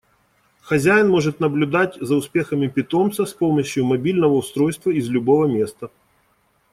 Хозяин может наблюдать за успехами питомца с помощью мобильного устройства из любого места.